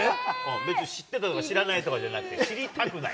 別に知ってたとか、知らなかったとかじゃなくて、知りたくない。